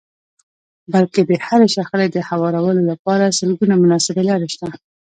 بلکې د هرې شخړې د هوارولو لپاره سلګونه مناسبې لارې شته.